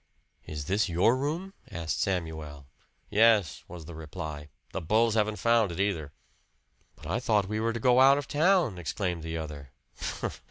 "Is this your room?" asked Samuel. "Yes," was the reply. "The bulls haven't found it, either!" "But I thought we were to go out of town!" exclaimed the other.